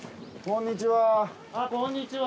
こんにちは。